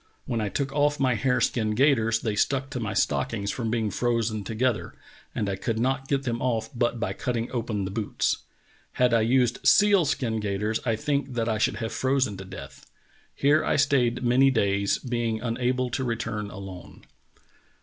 When I took off my hare skin gaiters they stuck to my stockings from being frozen together, and I could not get them off but by cutting open the boots. Had I used seal skin gaiters I think that I should have frozen to death. Here I stayed many days, being unable to return alone."